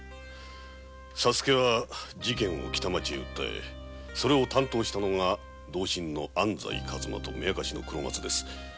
佐助は事件を北町へ訴えそれを担当したのが同心の安西和馬と目明かしの黒松です。